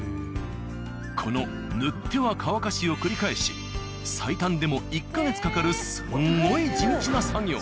この塗っては乾かしを繰り返し最短でも１ヵ月かかるすんごい地道な作業。